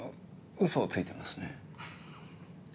ウソをついてますね。